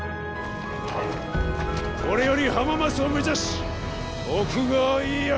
これより浜松を目指し徳川家康を討つ！